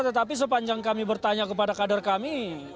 tetapi sepanjang kami bertanya kepada kader kami